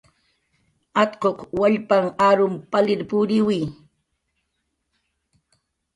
Atquq wallpanh arum palir puriwi.